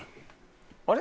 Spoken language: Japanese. あれ？